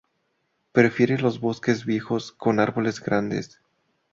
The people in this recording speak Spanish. Prefiere los bosques viejos, con árboles grandes.